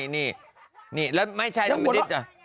นี่นี่แล้วไม่ใช่มันจก